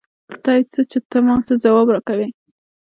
په تا يې څه؛ چې ته ما ته ځواب راکوې.